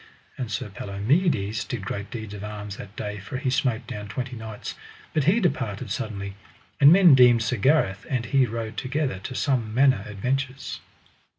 And Sir Palomides did great deeds of arms that day, for he smote down twenty knights, but he departed suddenly, and men deemed Sir Gareth and he rode together to some manner adventures.